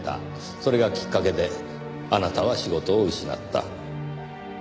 それがきっかけであなたは仕事を失った。